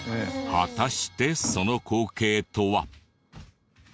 果たしてその光景とは？